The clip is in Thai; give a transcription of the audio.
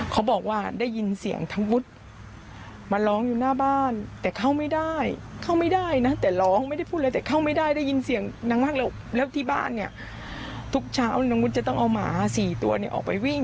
เขาบอกว่าได้ยินเสียงทั้งวุฒิมาร้องอยู่หน้าบ้านแต่เข้าไม่ได้เข้าไม่ได้นะแต่ร้องไม่ได้พูดอะไรแต่เข้าไม่ได้ได้ยินเสียงดังมากแล้วที่บ้านเนี่ยทุกเช้านางวุฒิจะต้องเอาหมาสี่ตัวเนี่ยออกไปวิ่ง